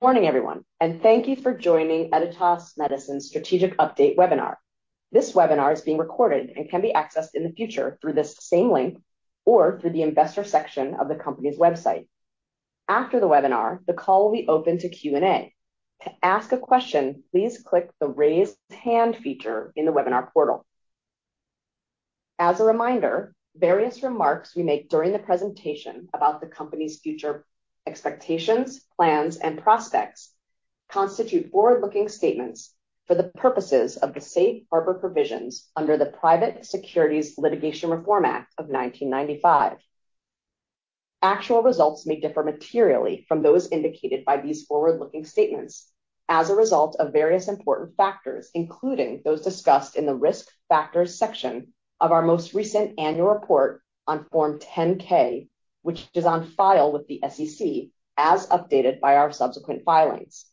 Morning, everyone, and thank you for joining Editas Medicine Strategic Update Webinar. This webinar is being recorded and can be accessed in the future through this same link or through the investor section of the company's website. After the webinar, the call will be open to Q&A. To ask a question, please click the Raise Hand feature in the webinar portal. As a reminder, various remarks we make during the presentation about the company's future expectations, plans, and prospects constitute forward-looking statements for the purposes of the Safe Harbor Provisions under the Private Securities Litigation Reform Act of 1995. Actual results may differ materially from those indicated by these forward-looking statements as a result of various important factors, including those discussed in the Risk Factors section of our most recent annual report on Form 10-K, which is on file with the SEC, as updated by our subsequent filings.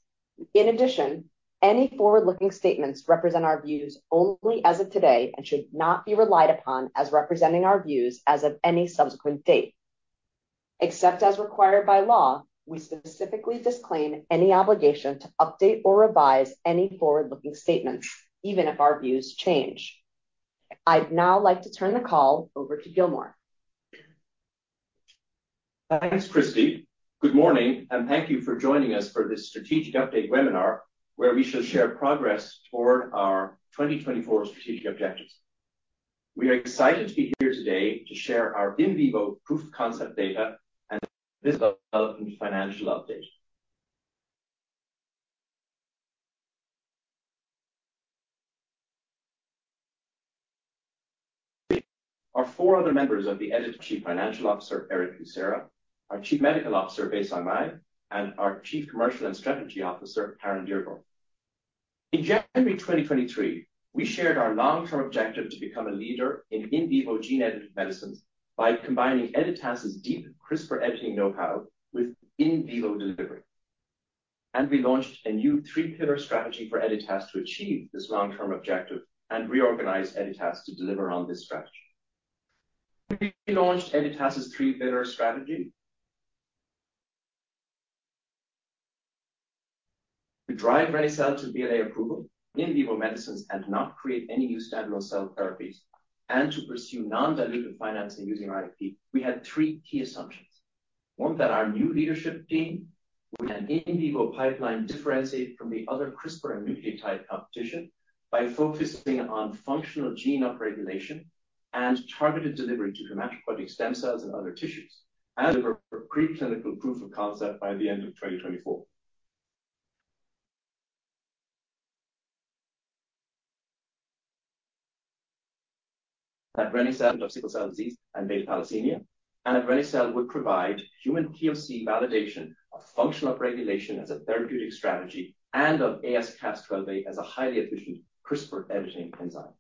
In addition, any forward-looking statements represent our views only as of today and should not be relied upon as representing our views as of any subsequent date. Except as required by law, we specifically disclaim any obligation to update or revise any forward-looking statements, even if our views change. I'd now like to turn the call over to Gilmore. Thanks, Christi. Good morning, and thank you for joining us for this strategic update webinar, where we shall share progress toward our 2024 strategic objectives. We are excited to be here today to share our in vivo proof-of-concept data and development financial update. Our four other members of the Editas Chief Financial Officer, Eric Ek, our Chief Medical Officer, Baisong Mei, and our Chief Commercial and Strategy Officer, Caren Deardorf. In January 2023, we shared our long-term objective to become a leader in in vivo gene-edited medicines by combining Editas's deep CRISPR editing know-how with in vivo delivery. We launched a new three-pillar strategy for Editas to achieve this long-term objective and reorganize Editas to deliver on this strategy. We launched Editas' three-pillar strategy. To drive reni-cel to BLA approval, in vivo medicines, and not create any new standard of cell therapies, and to pursue non-dilutive financing using RFP, we had three key assumptions. One, that our new leadership team with an in vivo pipeline differentiate from the other CRISPR and nucleotide competition by focusing on functional gene upregulation and targeted delivery to hematopoietic stem cells and other tissues, and preclinical proof of concept by the end of 2024. In for sickle cell disease and beta thalassemia, reni-cel provides human POC validation of functional upregulation as a therapeutic strategy and of AsCas12a as a highly efficient CRISPR editing enzyme.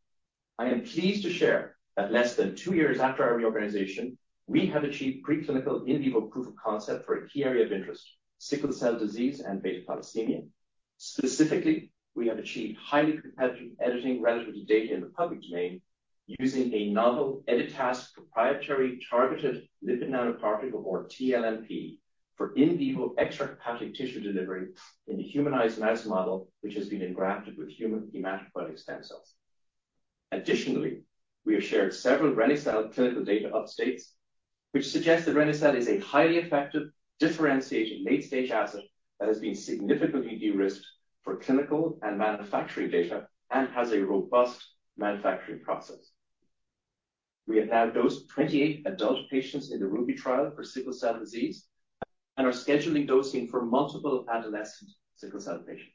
I am pleased to share that less than two years after our reorganization, we have achieved preclinical in vivo proof of concept for a key area of interest, sickle cell disease and beta thalassemia. Specifically, we have achieved highly competitive editing relative to data in the public domain, using a novel Editas proprietary targeted lipid nanoparticle, or tLNP, for in vivo extrahepatic tissue delivery in the humanized mouse model, which has been engrafted with human hematopoietic stem cells. Additionally, we have shared several reni-cel clinical data updates, which suggest that reni-cel is a highly effective differentiation late stage asset that has been significantly de-risked for clinical and manufacturing data and has a robust manufacturing process. We have now dosed 28 adult patients in the Ruby trial for sickle cell disease and are scheduling dosing for multiple adolescent sickle cell patients.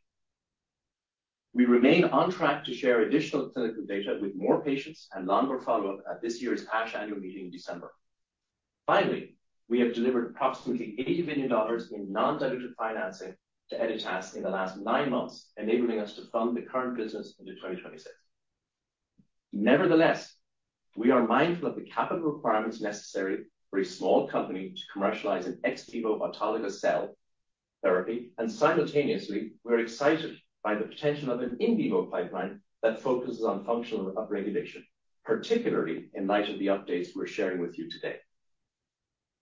We remain on track to share additional clinical data with more patients and longer follow-up at this year's ASH annual meeting in December. Finally, we have delivered approximately $80 million in non-dilutive financing to Editas in the last nine months, enabling us to fund the current business into 2026. Nevertheless, we are mindful of the capital requirements necessary for a small company to commercialize an ex vivo autologous cell therapy, and simultaneously, we're excited by the potential of an in vivo pipeline that focuses on functional upregulation, particularly in light of the updates we're sharing with you today.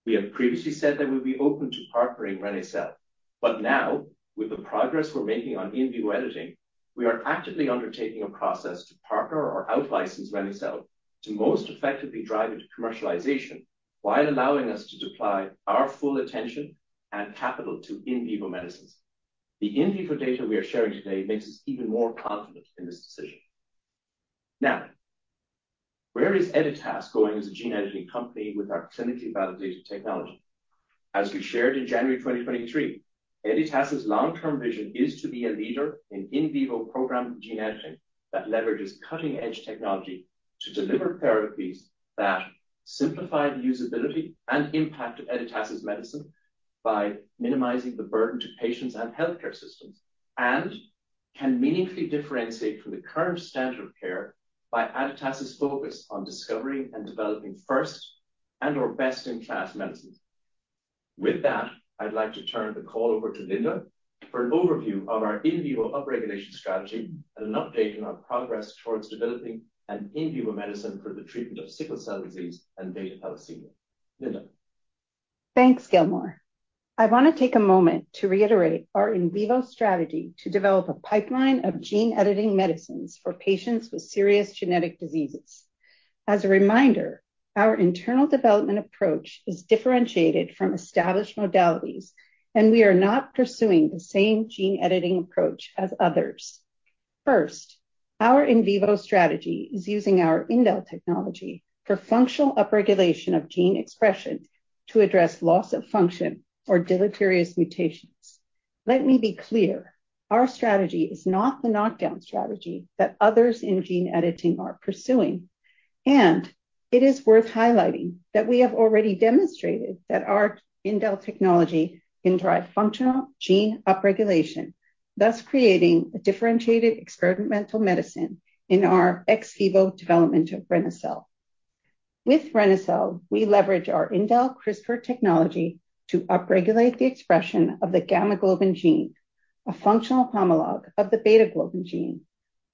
We have previously said that we'll be open to partnering reni-cel, but now, with the progress we're making on in vivo editing, we are actively undertaking a process to partner or outlicense reni-cel to most effectively drive it to commercialization while allowing us to deploy our full attention and capital to in vivo medicines. The in vivo data we are sharing today makes us even more confident in this decision. Now, where is Editas going as a gene editing company with our clinically validated technology? As we shared in January 2023, Editas's long-term vision is to be a leader in in vivo programmed gene editing that leverages cutting-edge technology to deliver therapies that simplify the usability and impact of Editas' medicine by minimizing the burden to patients and healthcare systems, and can meaningfully differentiate from the current standard of care by Editas' focus on discovering and developing first and or best-in-class medicines. With that, I'd like to turn the call over to Linda for an overview of our in vivo upregulation strategy and an update on our progress towards developing an in vivo medicine for the treatment of sickle cell disease and beta thalassemia.... Thanks, Gilmore. I want to take a moment to reiterate our in vivo strategy to develop a pipeline of gene editing medicines for patients with serious genetic diseases. As a reminder, our internal development approach is differentiated from established modalities, and we are not pursuing the same gene editing approach as others. First, our in vivo strategy is using our indel technology for functional upregulation of gene expression to address loss of function or deleterious mutations. Let me be clear, our strategy is not the knockdown strategy that others in gene editing are pursuing, and it is worth highlighting that we have already demonstrated that our indel technology can drive functional gene upregulation, thus creating a differentiated experimental medicine in our ex vivo development of reni-cel. With reni-cel, we leverage our indel CRISPR technology to upregulate the expression of the gamma globin gene, a functional homolog of the beta globin gene,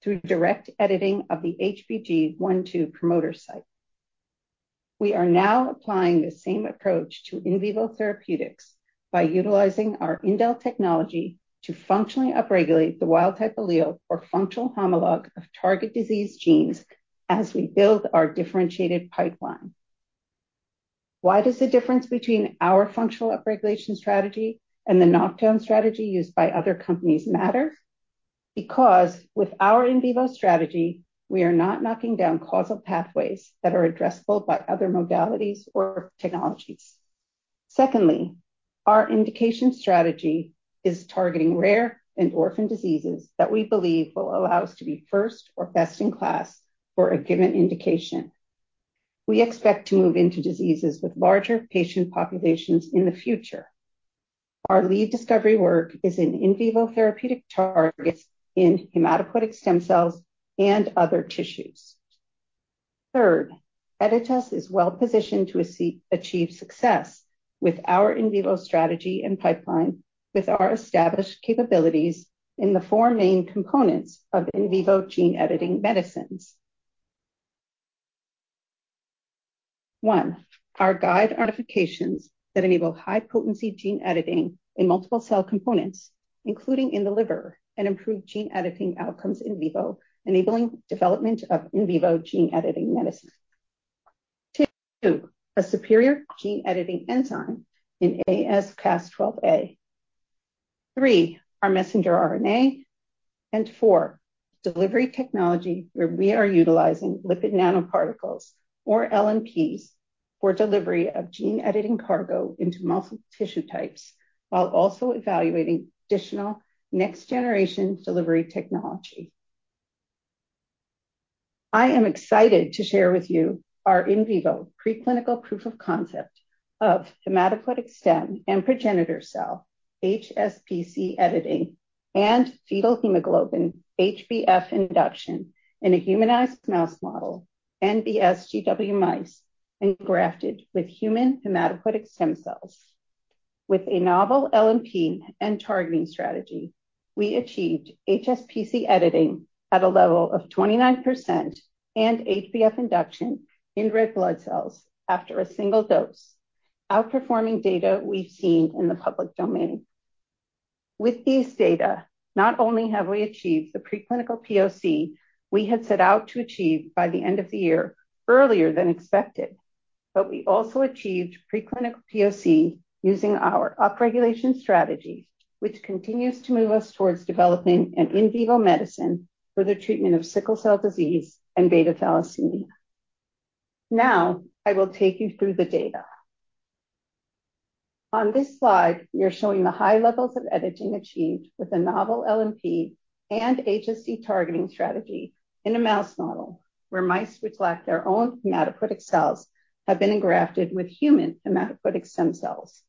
through direct editing of the HBG one-two promoter site. We are now applying the same approach to in vivo therapeutics by utilizing our indel technology to functionally upregulate the wild type allele or functional homolog of target disease genes as we build our differentiated pipeline. Why does the difference between our functional upregulation strategy and the knockdown strategy used by other companies matter? Because with our in vivo strategy, we are not knocking down causal pathways that are addressable by other modalities or technologies. Secondly, our indication strategy is targeting rare and orphan diseases that we believe will allow us to be first or best in class for a given indication. We expect to move into diseases with larger patient populations in the future. Our lead discovery work is in in vivo therapeutic targets in hematopoietic stem cells and other tissues. Third, Editas is well positioned to achieve success with our in vivo strategy and pipeline, with our established capabilities in the four main components of in vivo gene editing medicines. One, our guide modifications that enable high-potency gene editing in multiple cell components, including in the liver, and improve gene editing outcomes in vivo, enabling development of in vivo gene editing medicines. Two, a superior gene editing enzyme in AsCas12a. Three, our messenger RNA, and four, delivery technology, where we are utilizing lipid nanoparticles, or LNPs, for delivery of gene editing cargo into multiple tissue types, while also evaluating additional next-generation delivery technology. I am excited to share with you our in vivo preclinical proof of concept of hematopoietic stem and progenitor cell, HSPC editing, and fetal hemoglobin HbF induction in a humanized mouse model and the SGW mice engrafted with human hematopoietic stem cells. With a novel LNP and targeting strategy, we achieved HSPC editing at a level of 29% and HbF induction in red blood cells after a single dose, outperforming data we've seen in the public domain. With these data, not only have we achieved the preclinical POC we had set out to achieve by the end of the year, earlier than expected, but we also achieved preclinical POC using our upregulation strategy, which continues to move us towards developing an in vivo medicine for the treatment of sickle cell disease and beta thalassemia. Now, I will take you through the data. On this slide, we are showing the high levels of editing achieved with a novel LNP and HSC targeting strategy in a mouse model, where mice which lack their own hematopoietic cells have been engrafted with human hematopoietic stem cells.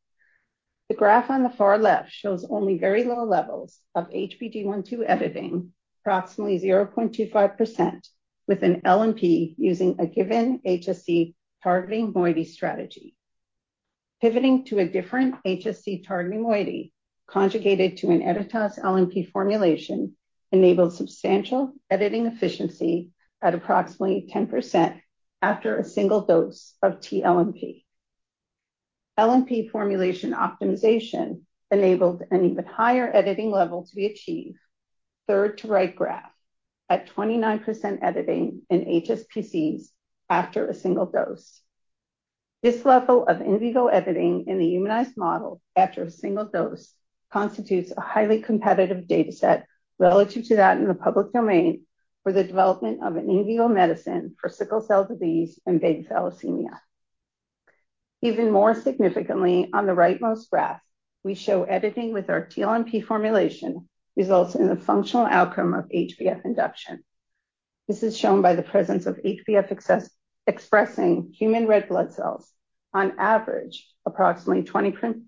The graph on the far left shows only very low levels of HBG one-two editing, approximately 0.25%, with an LNP using a given HSC targeting moiety strategy. Pivoting to a different HSC targeting moiety conjugated to an Editas LNP formulation enabled substantial editing efficiency at approximately 10% after a single dose of tLNP. LNP formulation optimization enabled an even higher editing level to be achieved, third to right graph, at 29% editing in HSPCs after a single dose. This level of in vivo editing in the humanized model after a single dose constitutes a highly competitive data set relative to that in the public domain for the development of an in vivo medicine for sickle cell disease and beta thalassemia. Even more significantly, on the right-most graph, we show editing with our tLNP formulation results in a functional outcome of HbF induction. This is shown by the presence of HbF+ expressing human red blood cells, on average, approximately 20%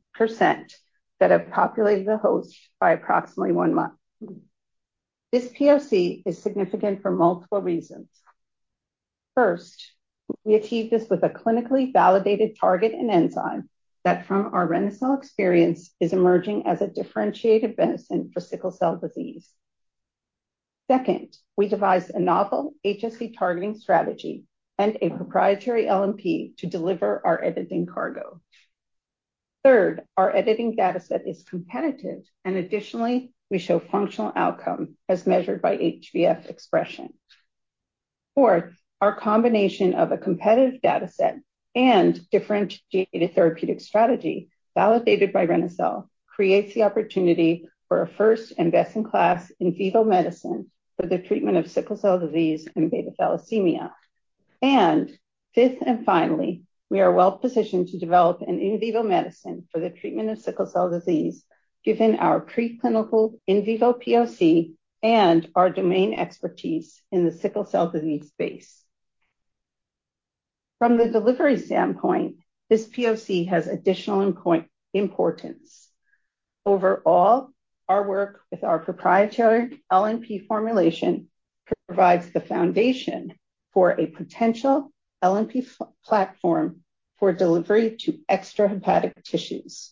that have populated the host by approximately one month. This POC is significant for multiple reasons. First, we achieved this with a clinically validated target and enzyme that, from our reni-cel experience, is emerging as a differentiated medicine for sickle cell disease.... Second, we devised a novel HSC targeting strategy and a proprietary LNP to deliver our editing cargo. Third, our editing data set is competitive, and additionally, we show functional outcome as measured by HbF expression. Fourth, our combination of a competitive data set and differentiated therapeutic strategy, validated by reni-cel, creates the opportunity for a first and best-in-class in vivo medicine for the treatment of sickle cell disease and beta thalassemia. Fifth, and finally, we are well positioned to develop an in vivo medicine for the treatment of sickle cell disease, given our preclinical in vivo POC and our domain expertise in the sickle cell disease space. From the delivery standpoint, this POC has additional importance. Overall, our work with our proprietary LNP formulation provides the foundation for a potential LNP platform for delivery to extrahepatic tissues.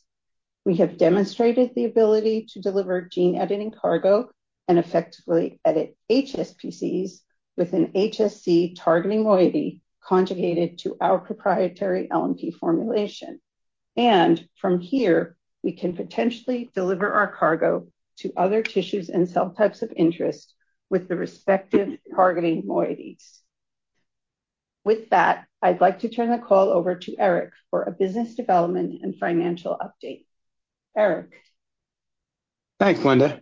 We have demonstrated the ability to deliver gene editing cargo and effectively edit HSPCs with an HSC targeting moiety conjugated to our proprietary LNP formulation. From here, we can potentially deliver our cargo to other tissues and cell types of interest with the respective targeting moieties. With that, I'd like to turn the call over to Eric for a business development and financial update. Eric? Thanks, Linda.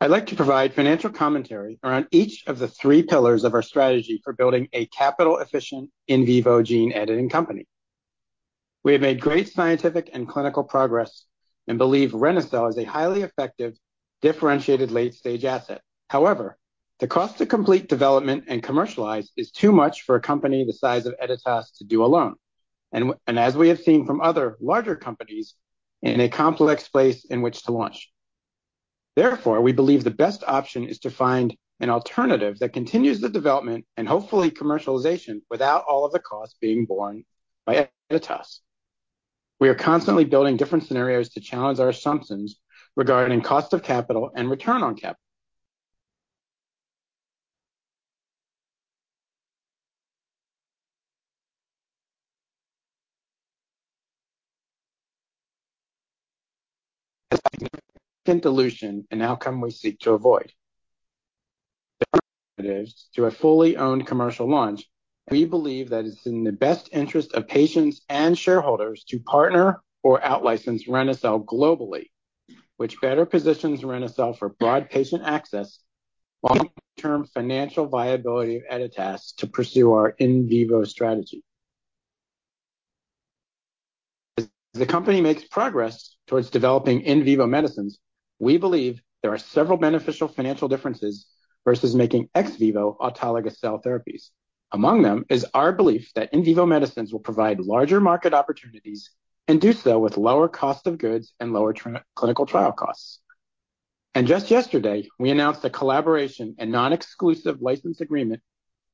I'd like to provide financial commentary around each of the three pillars of our strategy for building a capital-efficient in vivo gene-editing company. We have made great scientific and clinical progress and believe reni-cel is a highly effective, differentiated, late-stage asset. However, the cost to complete development and commercialize is too much for a company the size of Editas to do alone, and as we have seen from other larger companies, in a complex place in which to launch. Therefore, we believe the best option is to find an alternative that continues the development and hopefully commercialization without all of the costs being borne by Editas. We are constantly building different scenarios to challenge our assumptions regarding cost of capital and return on capital. Dilution, an outcome we seek to avoid. To a fully owned commercial launch, we believe that it's in the best interest of patients and shareholders to partner or out-license reni-cel globally, which better positions reni-cel for broad patient access, long-term financial viability of Editas to pursue our in vivo strategy. As the company makes progress towards developing in vivo medicines, we believe there are several beneficial financial differences versus making ex vivo autologous cell therapies. Among them is our belief that in vivo medicines will provide larger market opportunities and do so with lower cost of goods and lower Phase 3 clinical trial costs. Just yesterday, we announced a collaboration and non-exclusive license agreement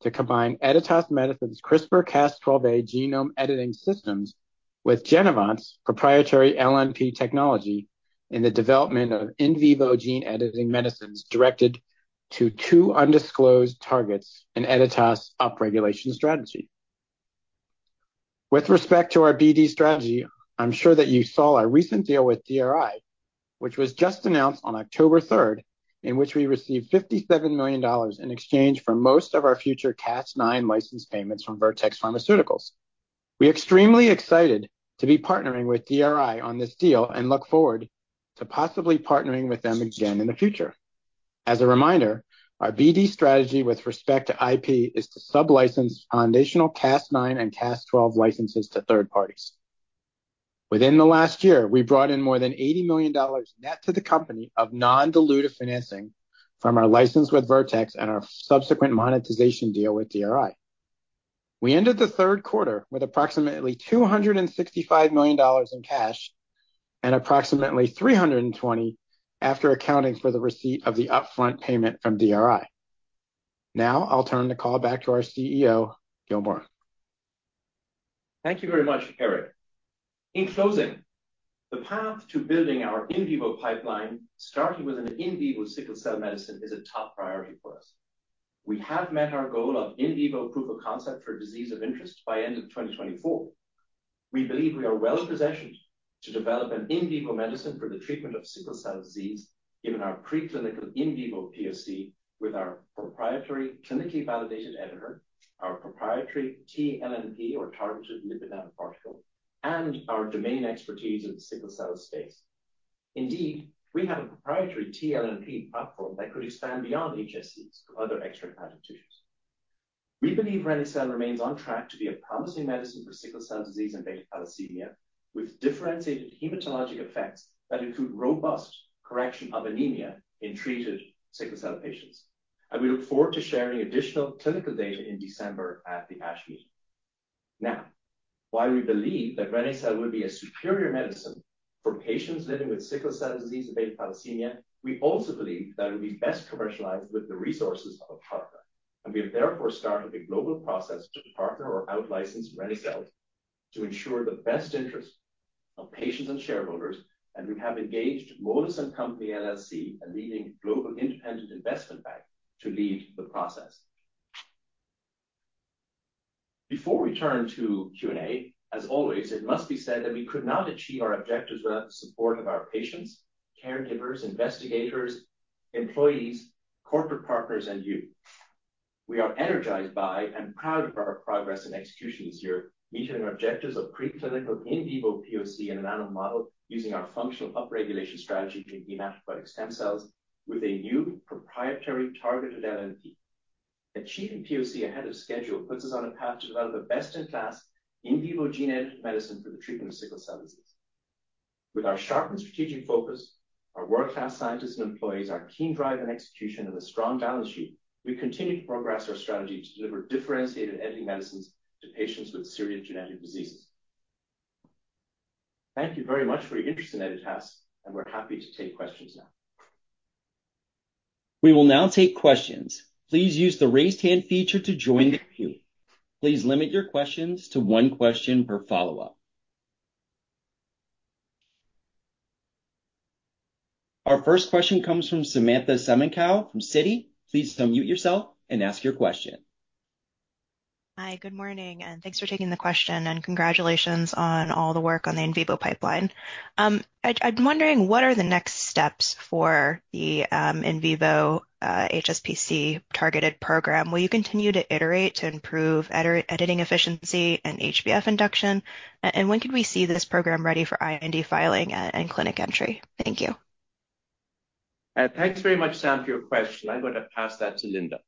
to combine Editas Medicine's AsCas12a genome editing systems with Genevant's proprietary LNP technology in the development of in vivo gene editing medicines, directed to two undisclosed targets in Editas' upregulation strategy. With respect to our BD strategy, I'm sure that you saw our recent deal with DRI, which was just announced on October third, in which we received $57 million in exchange for most of our future Cas9 license payments from Vertex Pharmaceuticals. We're extremely excited to be partnering with DRI on this deal and look forward to possibly partnering with them again in the future. As a reminder, our BD strategy with respect to IP is to sub-license foundational Cas9 and Cas12 licenses to third parties. Within the last year, we brought in more than $80 million net to the company of non-dilutive financing from our license with Vertex and our subsequent monetization deal with DRI. We ended the third quarter with approximately $265 million in cash and approximately $320 million after accounting for the receipt of the upfront payment from DRI. Now, I'll turn the call back to our CEO, Gilmore. Thank you very much, Eric. In closing, the path to building our in vivo pipeline, starting with an in vivo sickle cell medicine, is a top priority for us. We have met our goal of in vivo proof of concept for disease of interest by end of 2024. We believe we are well positioned to develop an in vivo medicine for the treatment of sickle cell disease, given our preclinical in vivo HSPC with our proprietary clinically validated editor, our proprietary TLNP or targeted lipid nanoparticle, and our domain expertise in the sickle cell space. Indeed, we have a proprietary TLNP platform that could expand beyond HSCs to other extrahepatic tissues. We believe reni-cel remains on track to be a promising medicine for sickle cell disease and beta thalassemia, with differentiated hematologic effects that include robust correction of anemia in treated sickle cell patients. And we look forward to sharing additional clinical data in December at the ASH meeting. Now, while we believe that reni-cel will be a superior medicine for patients living with sickle cell disease and beta thalassemia, we also believe that it will be best commercialized with the resources of a partner. And we have therefore started a global process to partner or out-license reni-cel to ensure the best interests of patients and shareholders, and we have engaged Moelis & Company LLC, a leading global independent investment bank, to lead the process. Before we turn to Q&A, as always, it must be said that we could not achieve our objectives without the support of our patients, caregivers, investigators, employees, corporate partners, and you. We are energized by and proud of our progress and execution this year, meeting our objectives of preclinical in vivo POC in an animal model using our functional upregulation strategy to hematopoietic stem cells with a new proprietary targeted LNP. Achieving POC ahead of schedule puts us on a path to develop a best-in-class in vivo gene-edited medicine for the treatment of sickle cell disease. With our sharp and strategic focus, our world-class scientists and employees, our keen drive and execution, and a strong balance sheet, we continue to progress our strategy to deliver differentiated editing medicines to patients with serious genetic diseases. Thank you very much for your interest in Editas, and we're happy to take questions now. We will now take questions. Please use the Raise Hand feature to join the queue. Please limit your questions to one question per follow-up. Our first question comes from Samantha Semenkow from Citi. Please unmute yourself and ask your question. Hi, good morning, and thanks for taking the question, and congratulations on all the work on the in vivo pipeline. I'm wondering, what are the next steps for the in vivo HSPC-targeted program? Will you continue to iterate to improve editing efficiency and HbF induction? And when could we see this program ready for IND filing and clinic entry? Thank you. Thanks very much, Sam, for your question. I'm going to pass that to Linda.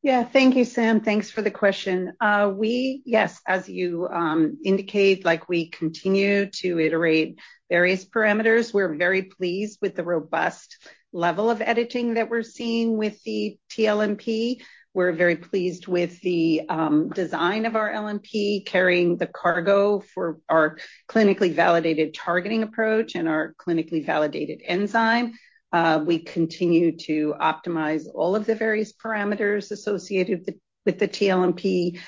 Yeah. Thank you, Sam. Thanks for the question. We... Yes, as you indicate, like, we continue to iterate various parameters. We're very pleased with the robust level of editing that we're seeing with the tLNP. We're very pleased with the design of our LNP, carrying the cargo for our clinically validated targeting approach and our clinically validated enzyme. We continue to optimize all of the various parameters associated with the tLNP,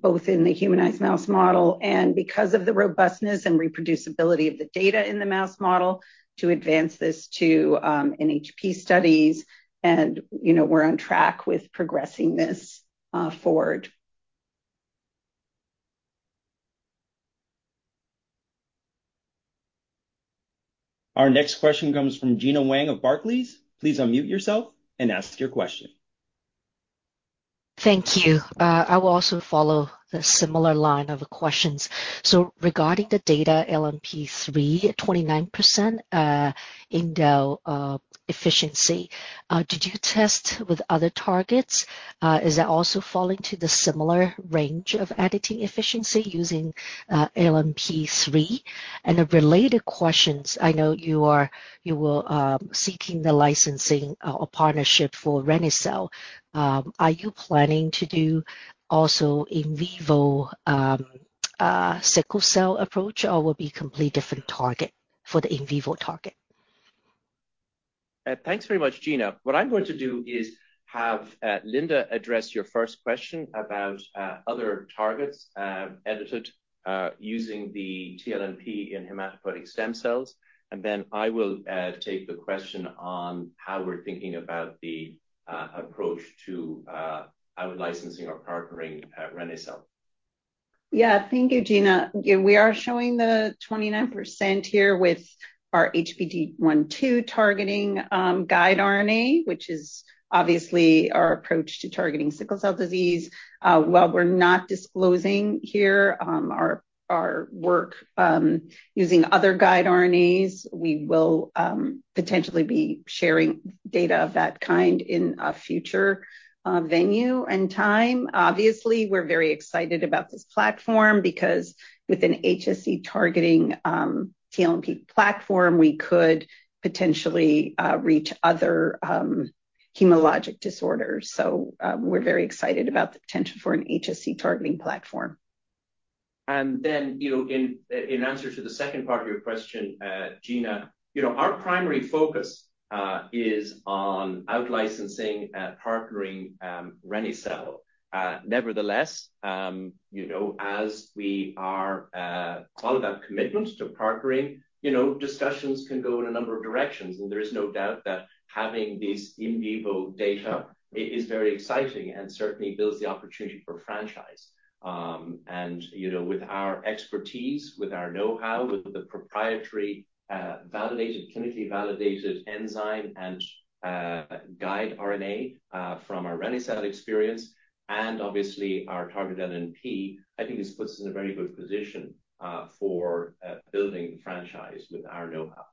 both in the humanized mouse model, and because of the robustness and reproducibility of the data in the mouse model, to advance this to NHP studies. And, you know, we're on track with progressing this forward. Our next question comes from Gena Wang of Barclays. Please unmute yourself and ask your question. Thank you. I will also follow the similar line of questions. So regarding the data LMP three, at 29%, in the efficiency, did you test with other targets? Is that also falling to the similar range of editing efficiency using LMP three? And the related questions, I know you are- you will seeking the licensing or partnership for reni-cel. Are you planning to do also in vivo sickle cell approach, or will be completely different target for the in vivo target? Thanks very much, Gena. What I'm going to do is have Linda address your first question about other targets edited using the tLNP in hematopoietic stem cells. And then I will take the question on how we're thinking about the approach to out-licensing or partnering reni-cel. Yeah. Thank you, Gena. Yeah, we are showing the 29% here with our HBG1/2 targeting guide RNA, which is obviously our approach to targeting sickle cell disease. While we're not disclosing here, our work using other guide RNAs, we will potentially be sharing data of that kind in a future venue and time. Obviously, we're very excited about this platform, because with an HSC targeting tLNP platform, we could potentially reach other hematologic disorders. We're very excited about the potential for an HSC targeting platform. And then, you know, in answer to the second part of your question, Gena, you know, our primary focus is on out-licensing and partnering reni-cel. Nevertheless, you know, as we are all about commitment to partnering, you know, discussions can go in a number of directions, and there is no doubt that having this in vivo data is very exciting and certainly builds the opportunity for franchise. And, you know, with our expertise, with our know-how, with the proprietary validated clinically validated enzyme and guide RNA from our reni-cel experience, and obviously our targeted LNP, I think this puts us in a very good position for building franchise with our know-how.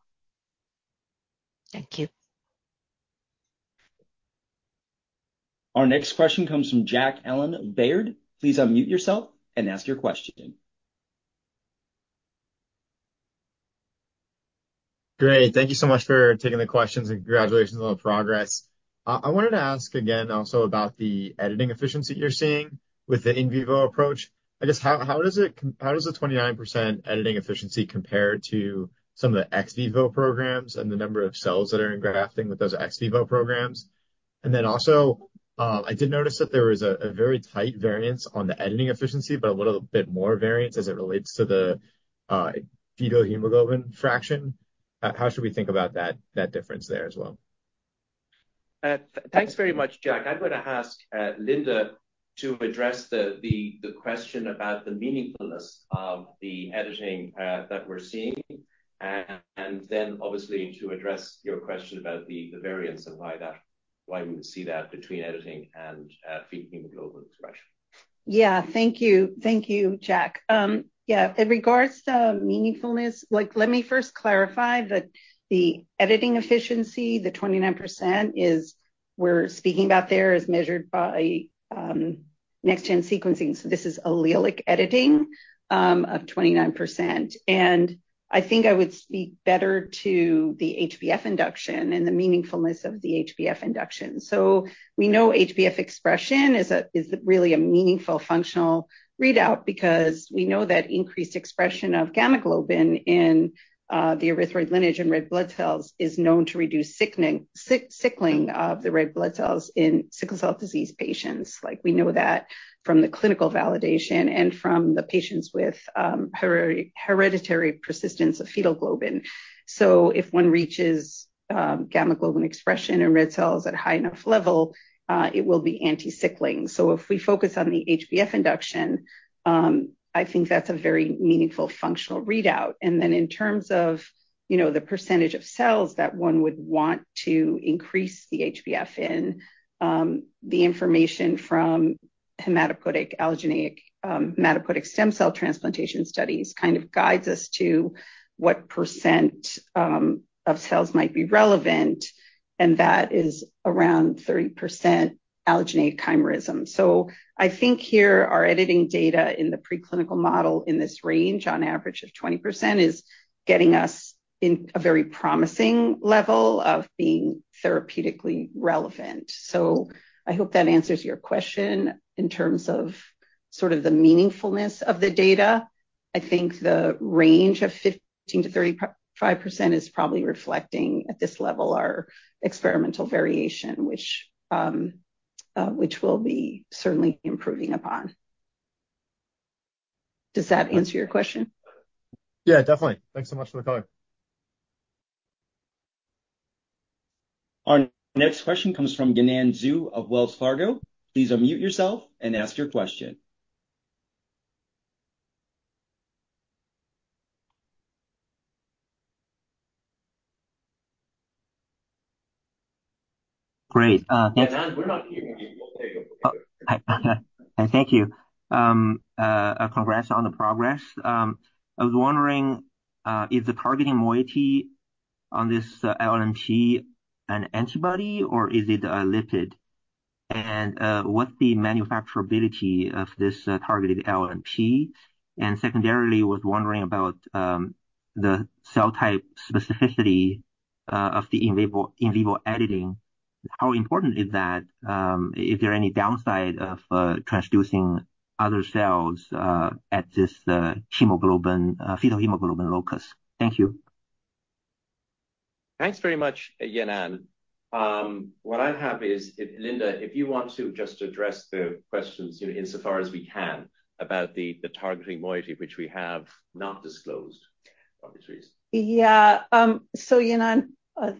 Thank you. Our next question comes from Jack Allen of Baird. Please unmute yourself and ask your question. Great. Thank you so much for taking the questions, and congratulations on the progress. I wanted to ask again also about the editing efficiency you're seeing with the in vivo approach. I guess, how does the 29% editing efficiency compare to some of the ex vivo programs and the number of cells that are engrafting with those ex vivo programs? And then also, I did notice that there was a very tight variance on the editing efficiency, but a little bit more variance as it relates to the fetal hemoglobin fraction. How should we think about that difference there as well? Thanks very much, Jack. I'm going to ask Linda to address the question about the meaningfulness of the editing that we're seeing, and then obviously to address your question about the variance and why we see that between editing and fetal hemoglobin expression. Yeah. Thank you. Thank you, Jack. Yeah, in regards to meaningfulness, like, let me first clarify that the editing efficiency, the 29% is we're speaking about there, is measured by next gen sequencing. So this is allelic editing of 29%. And I think I would speak better to the HbF induction and the meaningfulness of the HbF induction. So we know HbF expression is a, is really a meaningful functional readout, because we know that increased expression of gamma globin in the erythroid lineage in red blood cells is known to reduce sickling of the red blood cells in sickle cell disease patients. Like, we know that from the clinical validation and from the patients with hereditary persistence of fetal globin. So if one reaches gamma globin expression in red cells at a high enough level, it will be anti-sickling. So if we focus on the HBF induction, I think that's a very meaningful functional readout. And then in terms of, you know, the percentage of cells that one would want to increase the HBF in, the information from hematopoietic, allogeneic, hematopoietic stem cell transplantation studies kind of guides us to what percent of cells might be relevant, and that is around 30% allogeneic chimerism. So I think here our editing data in the preclinical model in this range, on average of 20%, is getting us in a very promising level of being therapeutically relevant. So I hope that answers your question. In terms of sort of the meaningfulness of the data, I think the range of 15%-35% is probably reflecting, at this level, our experimental variation, which we'll be certainly improving upon. Does that answer your question? Yeah, definitely. Thanks so much for the call. Our next question comes from Yanan Zhu of Wells Fargo. Please unmute yourself and ask your question. Great, yes- Yanan, we're not hearing you. Oh, hi. Thank you. Congrats on the progress. I was wondering, is the targeting moiety on this LNP an antibody, or is it a lipid? And, what's the manufacturability of this targeted LNP? And secondarily, was wondering about the cell type specificity of the in vivo editing. How important is that? Is there any downside of transducing other cells at this hemoglobin fetal hemoglobin locus? Thank you. Thanks very much, Yanan. What I have is, if Linda, you want to just address the questions, you know, insofar as we can, about the targeting moiety, which we have not disclosed, obviously. Yeah. So Yanan,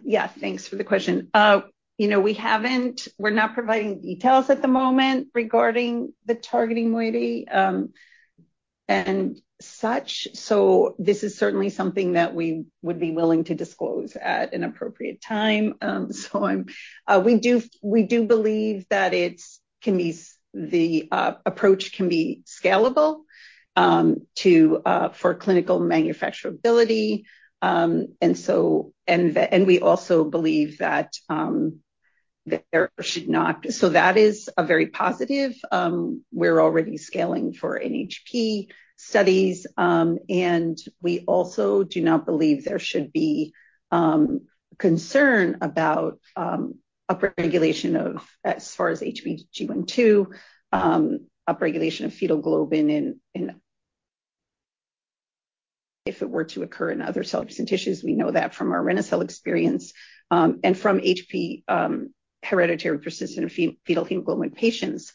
yeah, thanks for the question. You know, we haven't... We're not providing details at the moment regarding the targeting moiety, and such, so this is certainly something that we would be willing to disclose at an appropriate time. We do believe that the approach can be scalable for clinical manufacturability. And we also believe that there should not. So that is a very positive. We're already scaling for NHP studies. And we also do not believe there should be concern about upregulation of, as far as HBG1, 2, upregulation of fetal globin if it were to occur in other cells and tissues. We know that from our reni-cel experience, and from HP, hereditary persistence fetal hemoglobin patients,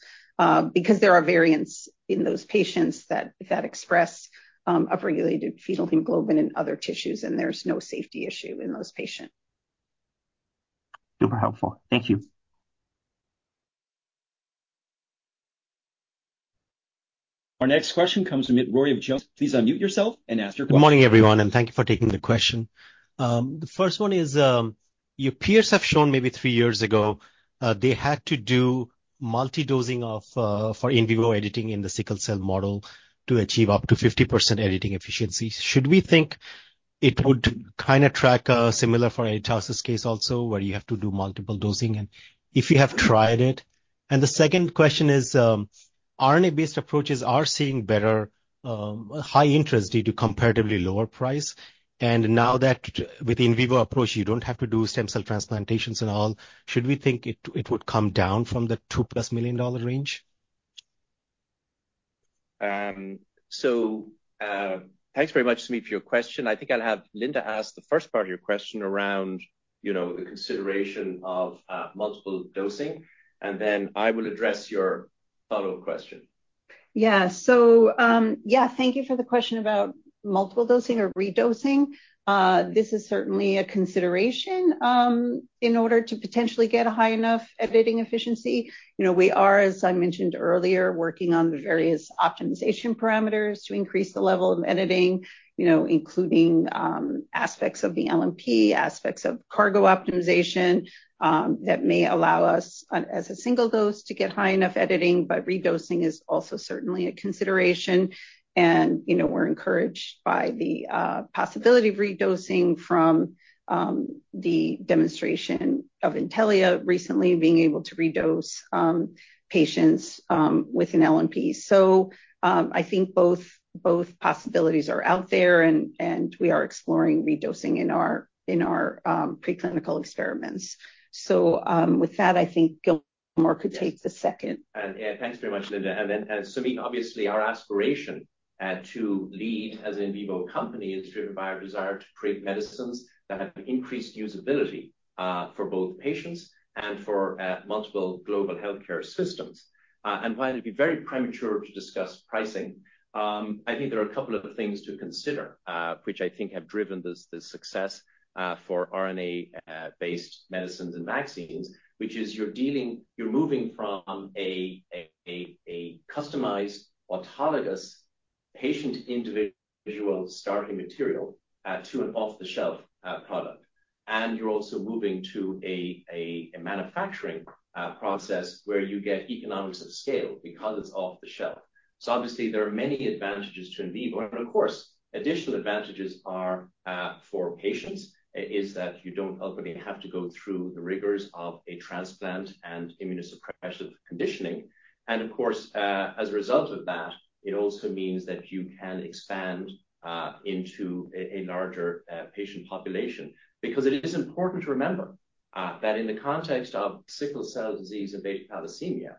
because there are variants in those patients that express upregulated fetal hemoglobin in other tissues, and there's no safety issue in those patients. Super helpful. Thank you. Our next question comes from Soumit Roy of Jones Research. Please unmute yourself and ask your question. Good morning, everyone, and thank you for taking the question. The first one is, your peers have shown maybe three years ago, they had to do multi-dosing of for in vivo editing in the sickle cell model to achieve up to 50% editing efficiency. Should we think it would kind of track similar for an Editas case also, where you have to do multiple dosing, and if you have tried it? And the second question is, RNA-based approaches are seeing better high interest due to comparatively lower price, and now with the in vivo approach, you don't have to do stem cell transplantations and all, should we think it would come down from the $2-plus million dollar range?... So, thanks very much, Soumit, for your question. I think I'll have Linda ask the first part of your question around, you know, the consideration of multiple dosing, and then I will address your follow-up question. Yeah. So, yeah, thank you for the question about multiple dosing or redosing. This is certainly a consideration in order to potentially get a high enough editing efficiency. You know, we are, as I mentioned earlier, working on the various optimization parameters to increase the level of editing, you know, including aspects of the LNP, aspects of cargo optimization that may allow us as a single dose to get high enough editing, but redosing is also certainly a consideration, and you know, we're encouraged by the possibility of redosing from the demonstration of Intellia recently being able to redose patients with an LNP, so I think both possibilities are out there, and we are exploring redosing in our preclinical experiments, so with that, I think Gilmore could take the second. Yeah, thanks very much, Linda. Soumit, obviously, our aspiration to lead as an in vivo company is driven by our desire to create medicines that have increased usability for both patients and for multiple global healthcare systems. While it'd be very premature to discuss pricing, I think there are a couple of other things to consider, which I think have driven this success for RNA-based medicines and vaccines, which is you're moving from a customized, autologous, patient individual starting material to an off-the-shelf product. You're also moving to a manufacturing process where you get economics of scale because it's off the shelf. Obviously, there are many advantages to in vivo. And of course, additional advantages are for patients is that you don't ultimately have to go through the rigors of a transplant and immunosuppressive conditioning. And of course, as a result of that, it also means that you can expand into a larger patient population. Because it is important to remember that in the context of sickle cell disease and beta thalassemia,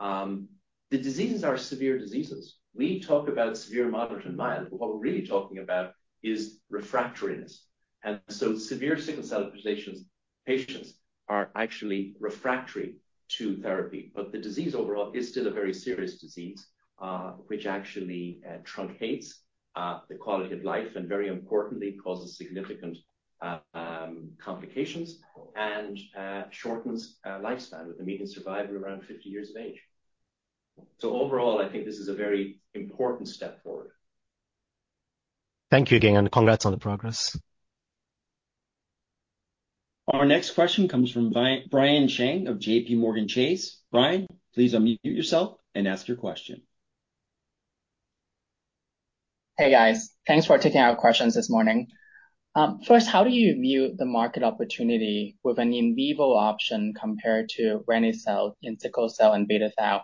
the diseases are severe diseases. We talk about severe, moderate, and mild, but what we're really talking about is refractoriness. And so severe sickle cell patients are actually refractory to therapy, but the disease overall is still a very serious disease which actually truncates the quality of life, and very importantly, causes significant complications and shortens lifespan with a median survival of around 50 years of age. Overall, I think this is a very important step forward. Thank you again, and congrats on the progress. Our next question comes from Brian Cheng of J.P. Morgan. Brian, please unmute yourself and ask your question. Hey, guys. Thanks for taking our questions this morning. First, how do you view the market opportunity with an in vivo option compared to reni-cel in sickle cell and beta thal?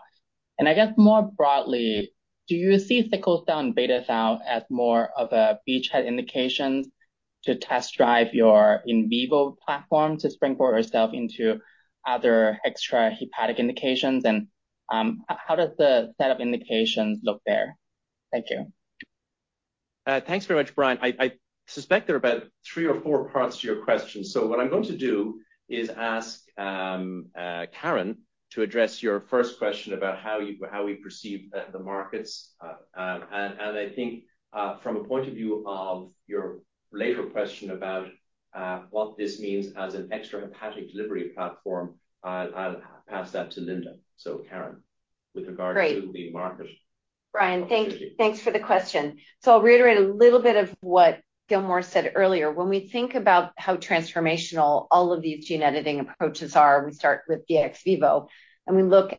And I guess more broadly, do you see sickle cell and beta thal as more of a beachhead indication to test drive your in vivo platform to springboard yourself into other extrahepatic indications? And, how does the set of indications look there? Thank you. Thanks very much, Brian. I suspect there are about three or four parts to your question. So what I'm going to do is ask Caren to address your first question about how you- how we perceive the markets. And I think from a point of view of your later question about what this means as an extrahepatic delivery platform, I'll pass that to Linda. So, Caren, with regard- Great. To the market. Brian- Okay... thanks, thanks for the question. So I'll reiterate a little bit of what Gilmore said earlier. When we think about how transformational all of these gene editing approaches are, we start with the ex vivo, and we look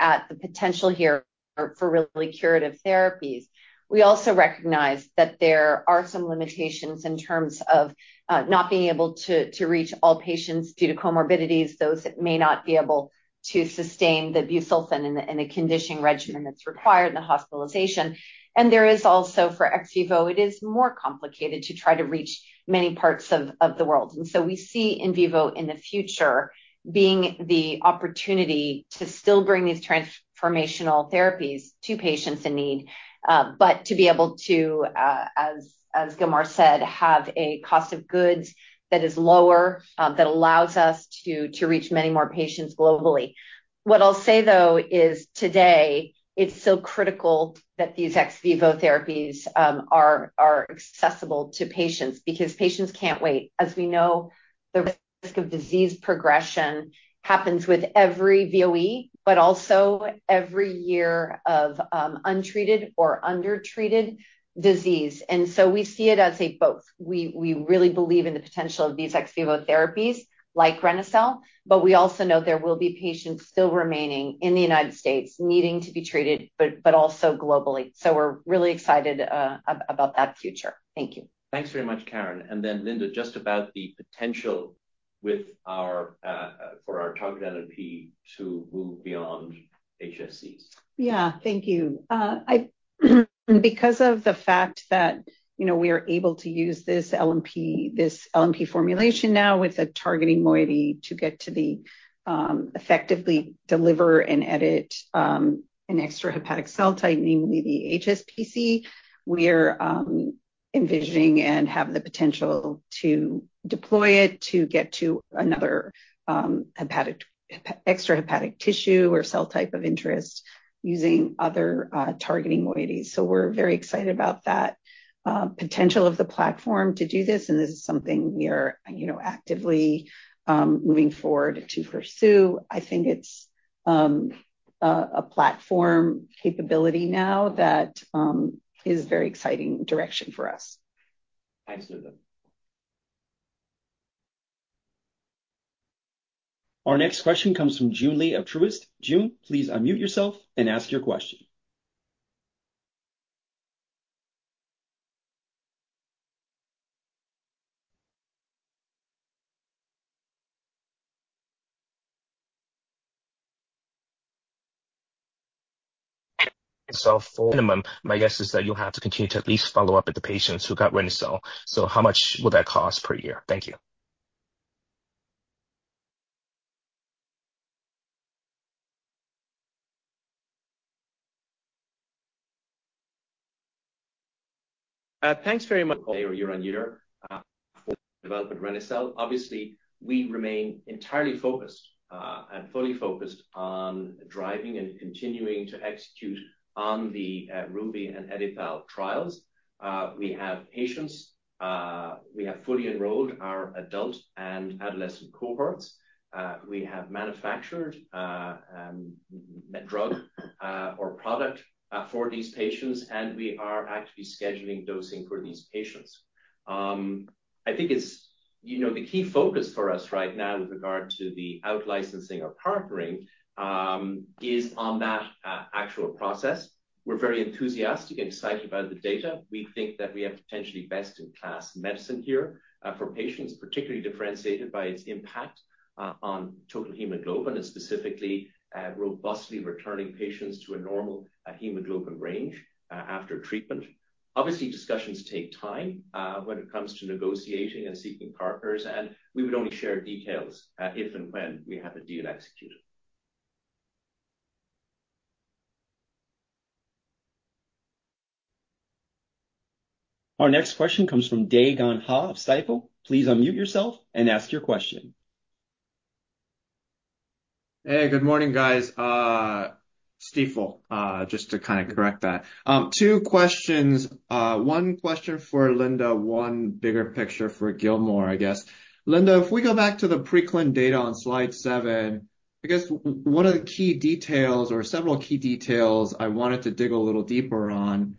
at the potential here for really curative therapies. We also recognize that there are some limitations in terms of not being able to reach all patients due to comorbidities, those that may not be able to sustain the busulfan and the conditioning regimen that's required, and the hospitalization. And there is also, for ex vivo, it is more complicated to try to reach many parts of the world. And so we see in vivo in the future being the opportunity to still bring these transformational therapies to patients in need, but to be able to, as Gilmore said, have a cost of goods that is lower, that allows us to reach many more patients globally. What I'll say, though, is today, it's so critical that these ex vivo therapies are accessible to patients, because patients can't wait. As we know, the risk of disease progression happens with every VOE, but also every year of untreated or undertreated disease. And so we see it as a both. We really believe in the potential of these ex vivo therapies like reni-cel, but we also know there will be patients still remaining in the United States needing to be treated, but also globally. So we're really excited about that future. Thank you. Thanks very much, Caren. And then, Linda, just about the potential with our targeted LNP to move beyond HSCs. Yeah. Thank you. Because of the fact that, you know, we are able to use this LNP, this LNP formulation now with a targeting moiety to get to the effectively deliver and edit an extrahepatic cell type, namely the HSPC, we're... envisioning and have the potential to deploy it to get to another, hepatic, extrahepatic tissue or cell type of interest using other, targeting moieties. So we're very excited about that, potential of the platform to do this, and this is something we are, you know, actively, moving forward to pursue. I think it's, a platform capability now that, is a very exciting direction for us. Thanks, Linda. Our next question comes from Joon Lee of Truist. Joon, please unmute yourself and ask your question. So for minimum, my guess is that you'll have to continue to at least follow up with the patients who got reni-cel. So how much will that cost per year? Thank you. Thanks very much. Our year-on-year development of reni-cel. Obviously, we remain entirely focused and fully focused on driving and continuing to execute on the Ruby and EdiTHAL trials. We have patients, we have fully enrolled our adult and adolescent cohorts. We have manufactured the drug or product for these patients, and we are actually scheduling dosing for these patients. I think it's, you know, the key focus for us right now with regard to the out-licensing or partnering is on that actual process. We're very enthusiastic and excited about the data. We think that we have potentially best-in-class medicine here for patients, particularly differentiated by its impact on total hemoglobin, and specifically robustly returning patients to a normal hemoglobin range after treatment. Obviously, discussions take time, when it comes to negotiating and seeking partners, and we would only share details, if and when we have a deal executed. Our next question comes from Dae Gon Ha of Stifel. Please unmute yourself and ask your question. Hey, good morning, guys. Stifel, just to kind of correct that. Two questions. One question for Linda, one bigger picture for Gilmore, I guess. Linda, if we go back to the preclinical data on slide seven, I guess one of the key details or several key details I wanted to dig a little deeper on,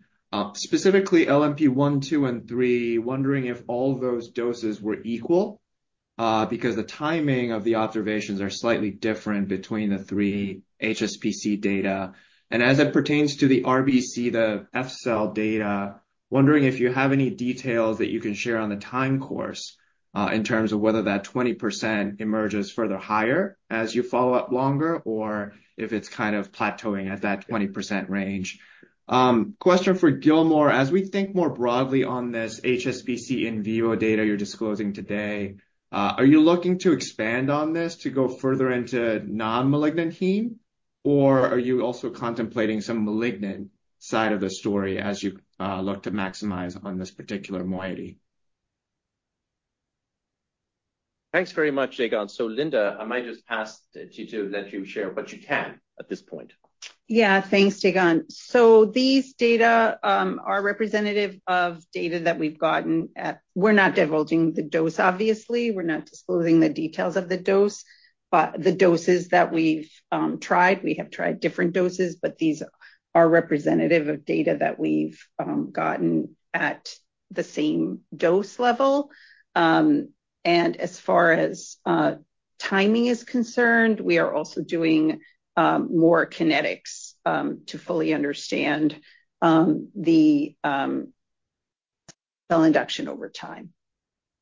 specifically LNP one, two, and three, wondering if all those doses were equal, because the timing of the observations are slightly different between the three HSPC data, and as it pertains to the RBC, the F-cell data, wondering if you have any details that you can share on the time course, in terms of whether that 20% emerges further higher as you follow up longer, or if it's kind of plateauing at that 20% range. Question for Gilmore. As we think more broadly on this HSPC in vivo data you're disclosing today, are you looking to expand on this to go further into non-malignant heme, or are you also contemplating some malignant side of the story as you look to maximize on this particular moiety? Thanks very much, Dae Gon. So, Linda, I might just pass to you to let you share what you can at this point. Yeah, thanks, Dae Gon. So these data are representative of data that we've gotten at. We're not divulging the dose, obviously, we're not disclosing the details of the dose, but the doses that we've tried, we have tried different doses, but these are representative of data that we've gotten at the same dose level. And as far as timing is concerned, we are also doing more kinetics to fully understand the cell induction over time.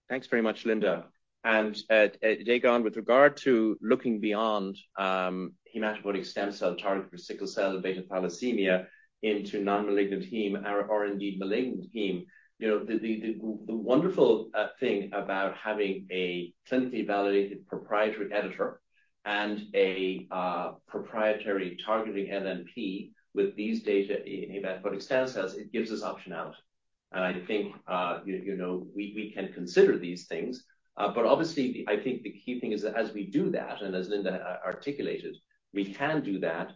Thanks very much, Linda. And, Daegon, with regard to looking beyond, hematopoietic stem cell target for sickle cell and beta thalassemia into non-malignant heme or indeed malignant heme, you know, the wonderful thing about having a clinically validated proprietary editor and a proprietary targeting LNP with these data in hematopoietic stem cells, it gives us optionality. And I think, you know, we can consider these things. But obviously, I think the key thing is that as we do that, and as Linda articulated, we can do that,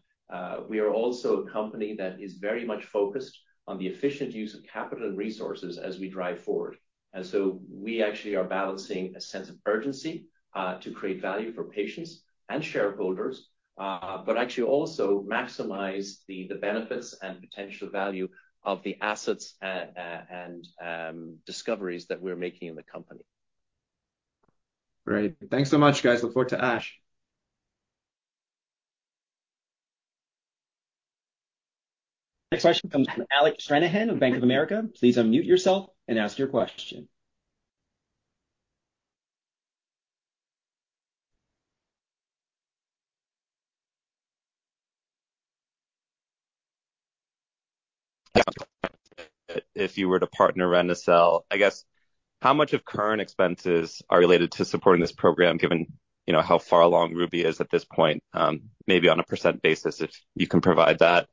we are also a company that is very much focused on the efficient use of capital and resources as we drive forward. And so we actually are balancing a sense of urgency to create value for patients and shareholders, but actually also maximize the benefits and potential value of the assets and discoveries that we're making in the company. Great. Thanks so much, guys. Look forward to ASH. Next question comes from Alec Stranahan of Bank of America. Please unmute yourself and ask your question. If you were to partner reni-cel, how much of current expenses are related to supporting this program, given, you know, how far along Ruby is at this point, maybe on a percent basis, if you can provide that?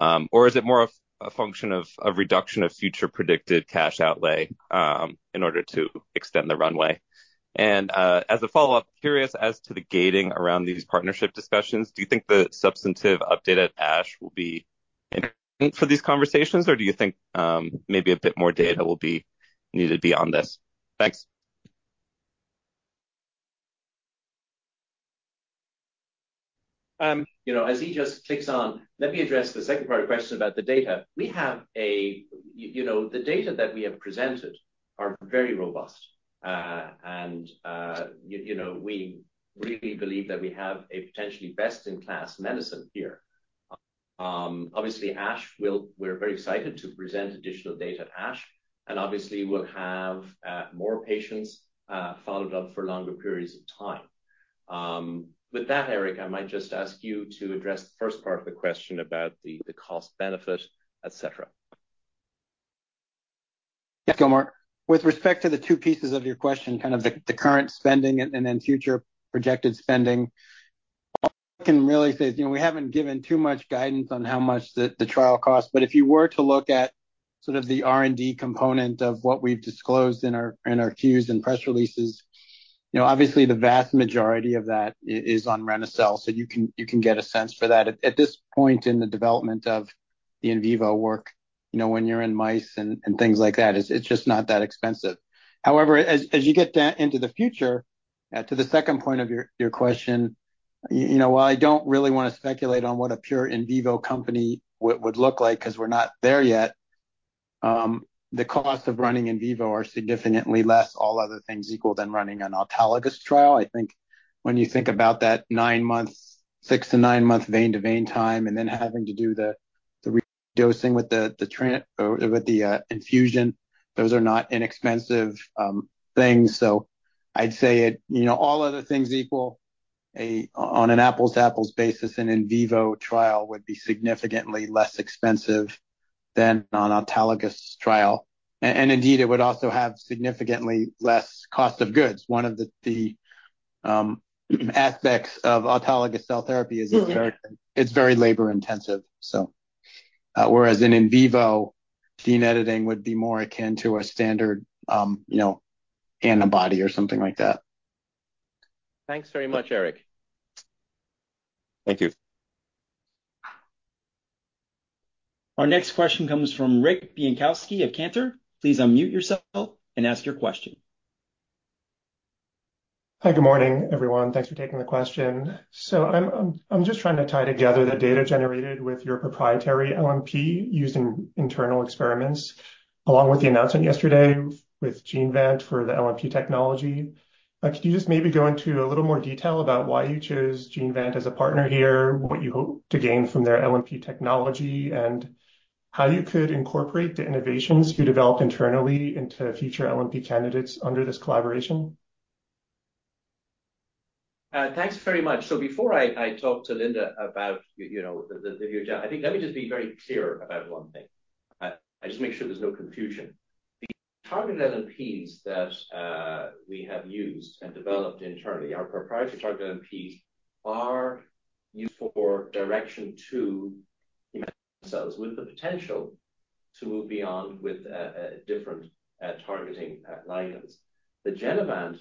Or is it more of a function of reduction of future predicted cash outlay, in order to extend the runway? And, as a follow-up, curious as to the gating around these partnership discussions, do you think the substantive update at ASH will be for these conversations, or do you think, maybe a bit more data will be needed beyond this? Thanks. You know, as he just kicks on, let me address the second part of the question about the data. We have you know, the data that we have presented are very robust. You know, we really believe that we have a potentially best-in-class medicine here. Obviously, ASH, we're very excited to present additional data at ASH, and obviously, we'll have more patients followed up for longer periods of time. With that, Eric, I might just ask you to address the first part of the question about the cost benefit, et cetera. Yes, Gilmore. With respect to the two pieces of your question, kind of the current spending and then future projected spending, can't really say. You know, we haven't given too much guidance on how much the trial costs, but if you were to look at sort of the R&D component of what we've disclosed in our Qs and press releases, you know, obviously, the vast majority of that is on reni-cel, so you can get a sense for that. At this point in the development of the in vivo work, you know, when you're in mice and things like that, it's just not that expensive. However, as you get down into the future, to the second point of your question, you know, while I don't really wanna speculate on what a pure in vivo company would look like, 'cause we're not there yet, the cost of running in vivo are significantly less, all other things equal, than running an autologous trial. I think when you think about that nine months, six to nine-month vein to vein time, and then having to do the redosing with the infusion, those are not inexpensive things. So I'd say it, you know, all other things equal, on an apples-to-apples basis, an in vivo trial would be significantly less expensive than an autologous trial. And indeed, it would also have significantly less cost of goods. One of the aspects of autologous cell therapy is- Mm-hmm... it's very labor intensive, so. Whereas in vivo gene editing would be more akin to a standard, you know, antibody or something like that. Thanks very much, Eric. Thank you. Our next question comes from Rick Bienkowski of Cantor Fitzgerald. Please unmute yourself and ask your question. Hi, good morning, everyone. Thanks for taking the question. So I'm just trying to tie together the data generated with your proprietary LNP using internal experiments, along with the announcement yesterday with Genevant for the LNP technology. Could you just maybe go into a little more detail about why you chose Genevant as a partner here, what you hope to gain from their LNP technology, and how you could incorporate the innovations you developed internally into future LNP candidates under this collaboration? Thanks very much. So before I talk to Linda about you know, the view, I think let me just be very clear about one thing. I just make sure there's no confusion. The targeted LNPs that we have used and developed internally, our proprietary targeted LNPs, are used for direction to cells with the potential to move beyond with a different targeting ligands. The Genevant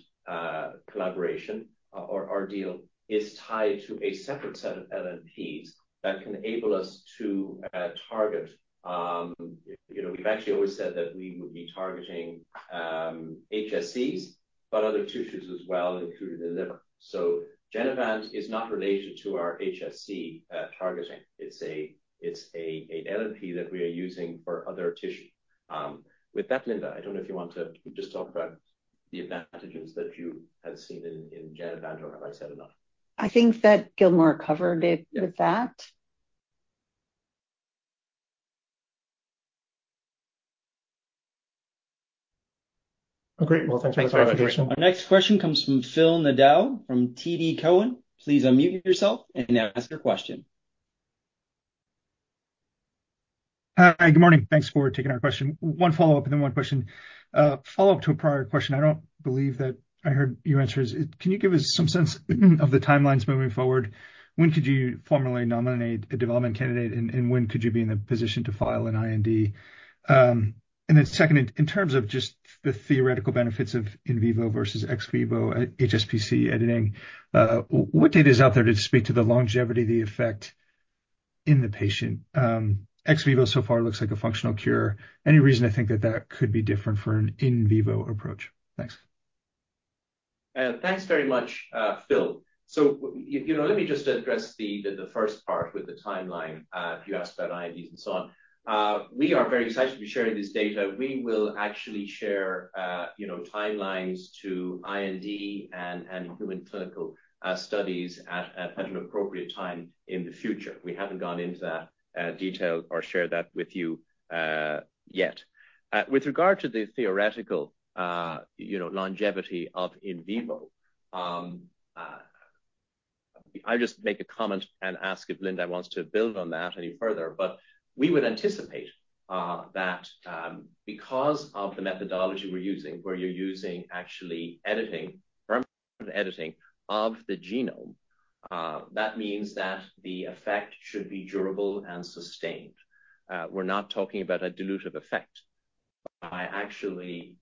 collaboration, or deal is tied to a separate set of LNPs that can enable us to target. You know, we've actually always said that we would be targeting HSCs, but other tissues as well, including the liver. So Genevant is not related to our HSC targeting. It's an LNP that we are using for other tissue. With that, Linda, I don't know if you want to just talk about the advantages that you have seen in Genevant, or have I said enough? I think that Gilmore covered it. Yeah. -with that. Great. Well, thanks very much. Thanks. Our next question comes from Phil Nadeau from TD Cowen. Please unmute yourself and ask your question. Hi, good morning. Thanks for taking our question. One follow-up and then one question. Follow-up to a prior question, I don't believe that I heard you answer is, can you give us some sense of the timelines moving forward? When could you formally nominate a development candidate, and when could you be in a position to file an IND? And then second, in terms of just the theoretical benefits of in vivo versus ex vivo HSPC editing, what data is out there to speak to the longevity of the effect in the patient? Ex vivo so far looks like a functional cure. Any reason to think that that could be different for an in vivo approach? Thanks. Thanks very much, Phil. So you know, let me just address the first part with the timeline. You asked about INDs and so on. We are very excited to be sharing this data. We will actually share, you know, timelines to IND and human clinical studies at an appropriate time in the future. We haven't gone into that detail or shared that with you yet. With regard to the theoretical, you know, longevity of in vivo, I'll just make a comment and ask if Linda wants to build on that any further, but we would anticipate that because of the methodology we're using, where you're using actually editing, permanent editing of the genome, that means that the effect should be durable and sustained. We're not talking about a dilutive effect. By actually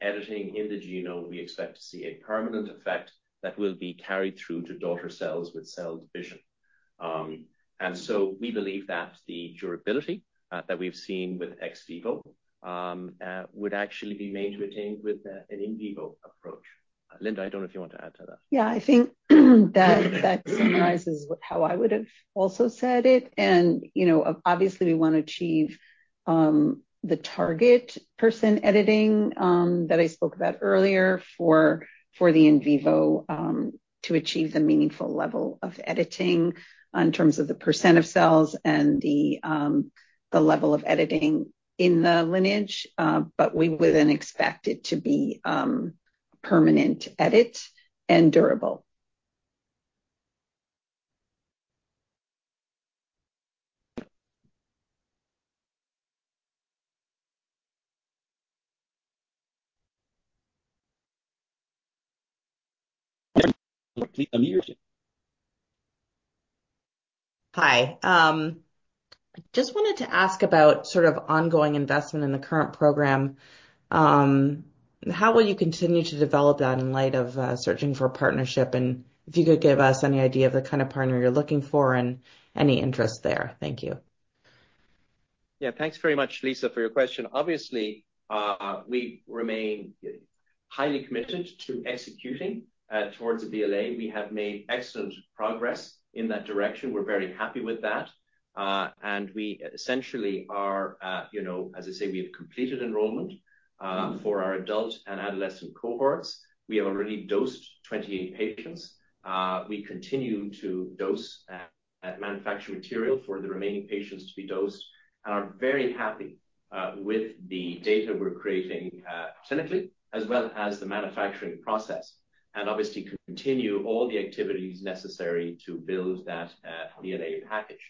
editing in the genome, we expect to see a permanent effect that will be carried through to daughter cells with cell division. And so we believe that the durability that we've seen with ex vivo would actually be maintained with an in vivo approach. Linda, I don't know if you want to add to that. Yeah, I think that, that summarizes with how I would have also said it. And, you know, obviously, we want to achieve the targeted editing that I spoke about earlier for, for the in vivo, to achieve the meaningful level of editing in terms of the % of cells and the, the level of editing in the lineage, but we would then expect it to be permanent edit and durable. Please unmute yourself. Hi. I just wanted to ask about sort of ongoing investment in the current program. How will you continue to develop that in light of searching for a partnership? And if you could give us any idea of the kind of partner you're looking for and any interest there. Thank you. Yeah, thanks very much, Lisa, for your question. Obviously, we remain highly committed to executing towards the BLA. We have made excellent progress in that direction. We're very happy with that, and we essentially are, you know, as I say, we have completed enrollment for our adult and adolescent cohorts. We have already dosed 28 patients. We continue to dose at manufacturing material for the remaining patients to be dosed, and are very happy with the data we're creating clinically, as well as the manufacturing process, and obviously, continue all the activities necessary to build that BLA package.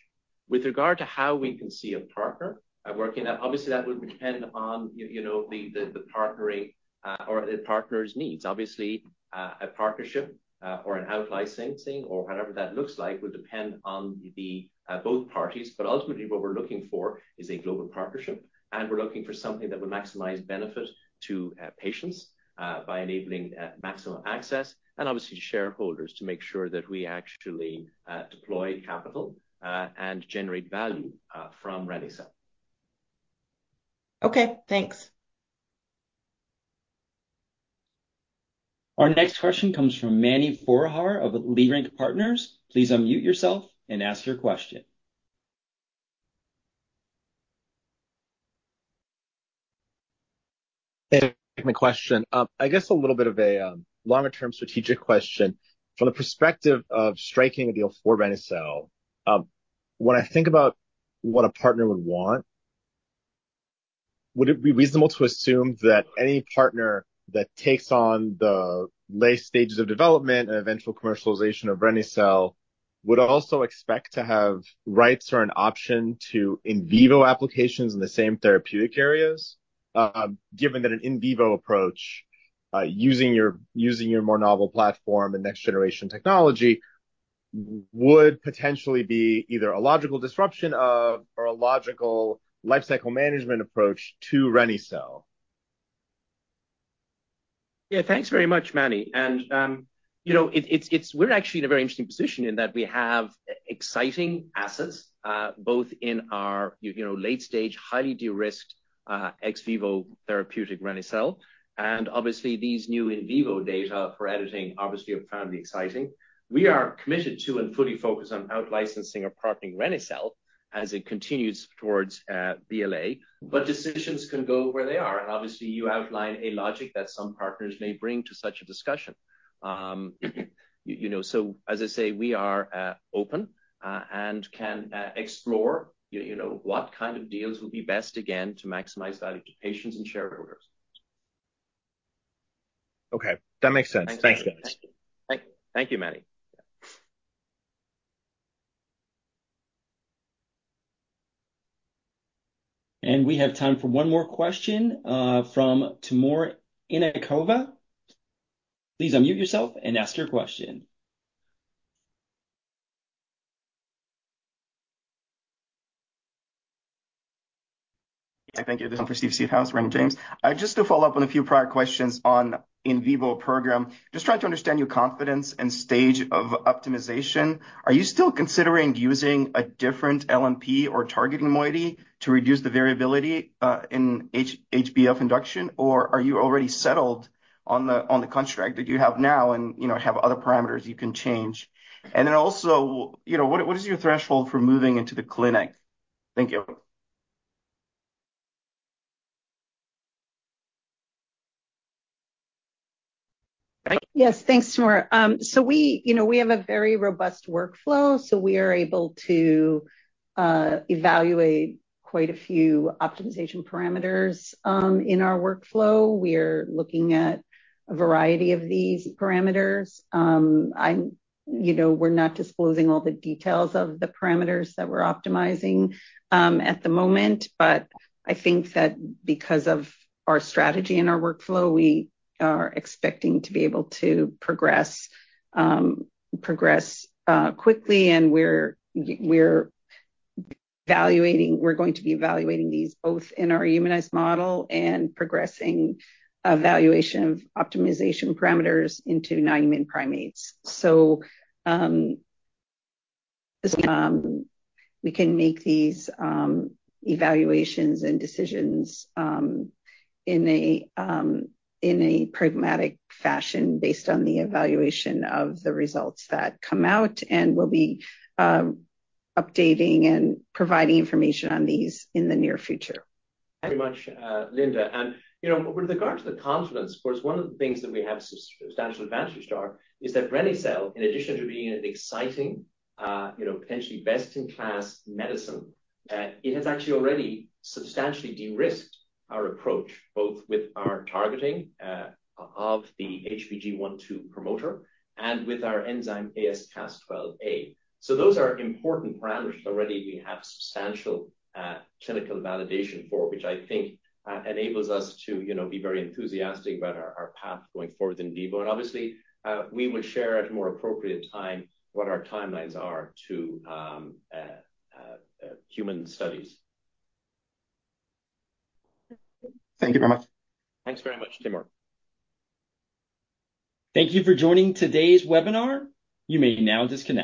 With regard to how we can see a partner working, obviously, that would depend on, you know, the partnering or the partner's needs. Obviously, a partnership, or an out-licensing, or whatever that looks like, would depend on the both parties. But ultimately, what we're looking for is a global partnership, and we're looking for something that will maximize benefit to patients, by enabling maximum access, and obviously to shareholders, to make sure that we actually deploy capital, and generate value, from reni-cel. Okay, thanks. Our next question comes from Mani Foroohar of Leerink Partners. Please unmute yourself and ask your question. Thanks for taking my question. I guess a little bit of a longer term strategic question. From the perspective of striking a deal for reni-cel, when I think about what a partner would want, would it be reasonable to assume that any partner that takes on the late stages of development and eventual commercialization of reni-cel, would also expect to have rights or an option to in vivo applications in the same therapeutic areas? Given that an in vivo approach, using your more novel platform and next generation technology, would potentially be either a logical disruption of or a logical lifecycle management approach to reni-cel. Yeah, thanks very much, Mani. And, you know, we're actually in a very interesting position in that we have exciting assets, both in our, you know, late stage, highly de-risked, ex vivo therapeutic reni-cel. And obviously, these new in vivo data for editing, obviously, are profoundly exciting. We are committed to and fully focused on out-licensing or partnering reni-cel as it continues towards, BLA. But decisions can go where they are, and obviously, you outline a logic that some partners may bring to such a discussion. You know, so as I say, we are open, and can explore, you know, what kind of deals will be best, again, to maximize value to patients and shareholders. Okay, that makes sense. Thanks, guys. Thank you, Mani. And we have time for one more question, from Timur Ivannikov. Please unmute yourself and ask your question. Thank you. This is for Steve Seedhouse, Raymond James. Just to follow up on a few prior questions on in vivo program, just trying to understand your confidence and stage of optimization. Are you still considering using a different LNP or targeting moiety to reduce the variability in HbF induction? Or are you already settled on the contract that you have now, and, you know, have other parameters you can change? And then also, you know, what is your threshold for moving into the clinic? Thank you. Yes, thanks, Timur. So we, you know, we have a very robust workflow, so we are able to evaluate quite a few optimization parameters in our workflow. We're looking at a variety of these parameters. You know, we're not disclosing all the details of the parameters that we're optimizing at the moment, but I think that because of our strategy and our workflow, we are expecting to be able to progress quickly, and we're going to be evaluating these both in our humanized model and progressing evaluation of optimization parameters into non-human primates. So we can make these evaluations and decisions in a pragmatic fashion based on the evaluation of the results that come out, and we'll be updating and providing information on these in the near future. Thank you very much, Linda. And, you know, with regard to the confidence, of course, one of the things that we have substantial advantage to our is that reni-cel, in addition to being an exciting, you know, potentially best-in-class medicine, it has actually already substantially de-risked our approach, both with our targeting, of the HBG1-2 promoter and with our enzyme as AsCas12a. So those are important parameters that already we have substantial, clinical validation for, which I think, enables us to, you know, be very enthusiastic about our path going forward in vivo. And obviously, we will share at a more appropriate time what our timelines are to, human studies. Thank you very much. Thanks very much, Timur. Thank you for joining today's webinar. You may now disconnect.